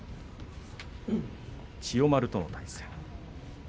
千代丸との対戦。